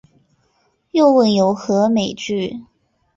又问有何美句？